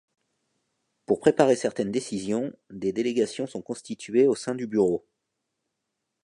Pour préparer certaines décisions, des délégations sont constituées au sein du Bureau.